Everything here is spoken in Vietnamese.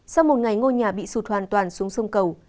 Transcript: sau một ngày ngôi nhà bị sụt hoàn toàn xuống sông cầu